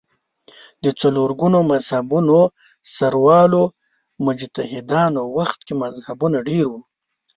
د څلور ګونو مذهبونو سروالو مجتهدانو وخت کې مذهبونه ډېر وو